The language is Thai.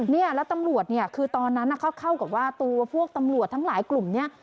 เนี่ยแล้วตำรวจเนี่ยคือตอนนั้นเขาเข้ากับว่าตัวพวกตำรวจทั้งหลายกลุ่มเนี่ย